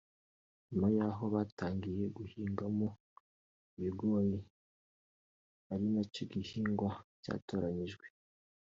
nyuma y’aho batangiriye guhingamo ibigori ari nacyo gihingwa cyatoranyijwe